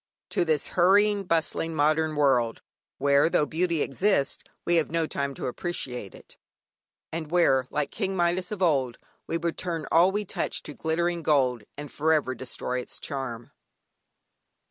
to this hurrying, bustling modern world, where, though beauty exists, we have no time to appreciate it, and where, like King Midas of old, we would turn all we touch to glittering gold, and for ever destroy its charm.